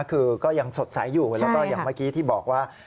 คือก็ยังสดใสอยู่แล้วก็อย่างเมื่อกี้ที่บอกว่า